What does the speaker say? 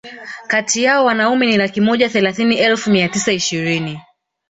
kati yao Wanaume ni laki moja thelathini elfu mia tisa ishirini